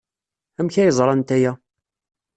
Amek ay ẓrant aya?